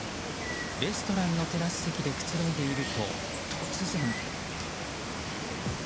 レストランのテラス席でくつろいでいると突然。